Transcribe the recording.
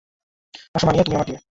আসো, মানিয়া, তুমি আমার টিমে।